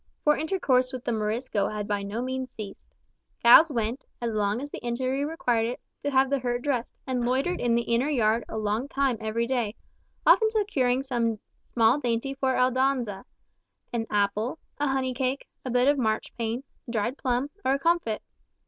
For intercourse with the Morisco had by no means ceased. Giles went, as long as the injury required it, to have the hurt dressed, and loitered in the Inner Yard a long time every day, often securing some small dainty for Aldonza—an apple, a honey cake, a bit of marchpane, a dried plum, or a comfit.